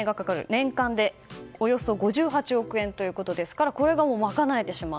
年間でおよそ５８億円ということですからこれが賄えてしまう。